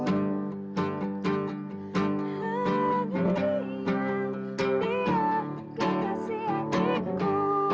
dia dia kekasih hatiku